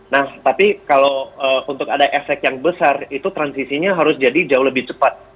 nah tapi kalau untuk ada efek yang besar itu transisinya harus jadi jauh lebih cepat